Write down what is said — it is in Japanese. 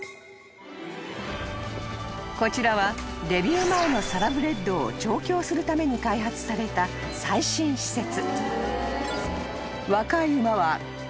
［こちらはデビュー前のサラブレッドを調教するために開発された最新施設］